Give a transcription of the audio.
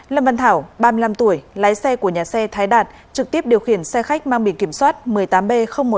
lâm văn thảo ba mươi năm tuổi lái xe của nhà xe thái đạt trực tiếp điều khiển xe khách mang biển kiểm soát một mươi tám b một mươi tám tám